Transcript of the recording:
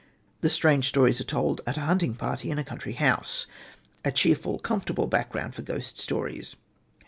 The strange stories are told at a hunting party in a country house, a cheerful, comfortable background for ghost stories.